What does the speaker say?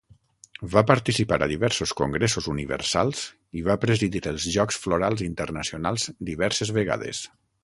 Va participar a diversos congressos universals i va presidir els Jocs Florals Internacionals diverses vegades.